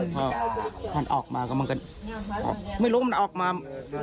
พอฝันออกมาก็มันก็ไม่รู้มันออกมามันโดนฝันเสร็จ